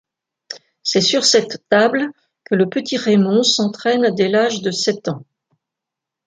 C'est sur cette table que le petit Raymond s'entraîne dès l'âge de sept ans.